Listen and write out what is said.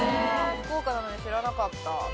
福岡なのに知らなかった。